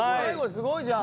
すごいじゃん。